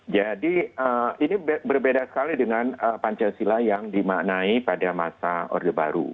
jadi ini berbeda sekali dengan pancasila yang dimaknai pada masa orde baru